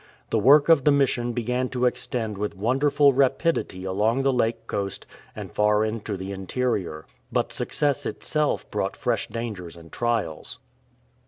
The work of the Mission began to extend with wonderful rapidity along the lake coast and far into the interior. But success itself brought fresh dangers and trials.